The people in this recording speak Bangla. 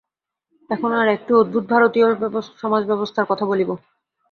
এখন আর একটি অদ্ভুত ভারতীয় সমাজ-ব্যবস্থার কথা বলিব।